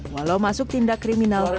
walau masuk tindak kriminal